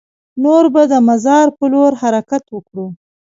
نور به د مزار په لور حرکت وکړو.